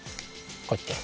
こうやって。